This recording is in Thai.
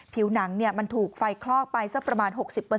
ผิวหนังมันถูกไฟคลอกไปสักประมาณ๖๐